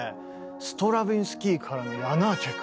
ストラヴィンスキーからのヤナーチェク。